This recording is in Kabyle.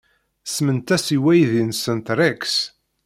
Semmant-as i weydi-nsent Rex.